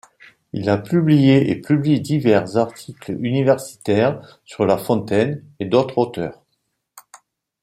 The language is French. Il a publié et publie divers articles universitaires sur La Fontaine et d'autres auteurs.